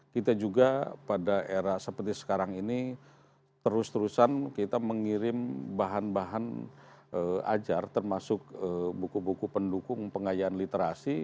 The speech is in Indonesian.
kita juga pada era seperti sekarang ini terus terusan kita mengirim bahan bahan ajar termasuk buku buku pendukung pengayaan literasi